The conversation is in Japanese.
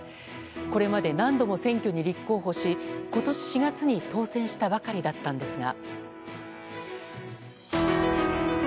これまで何度も選挙に立候補し今年４月に当選したばかりだったんですが。